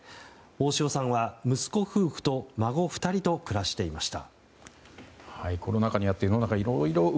大塩さんは、息子夫婦と孫２人と暮らしていました。